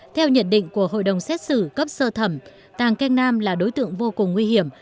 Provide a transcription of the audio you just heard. theo nhận định của hội đồng xét xử cấp sơ thẩm tàng canh nam là đối tượng vô cùng nguy hiểm